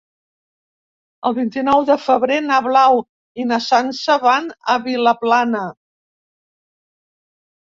El vint-i-nou de febrer na Blau i na Sança van a Vilaplana.